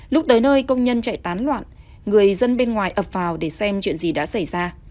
lúc tới nơi công nhân chạy tán loạn người dân bên ngoài ập vào để xem chuyện gì đã xảy ra